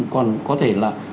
còn có thể là